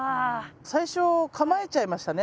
最初構えちゃいましたね。